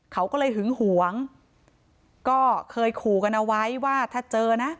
เขาก็เลยหึงหวงก็เคยขู่กันเอาไว้ว่าถ้าเจอนะ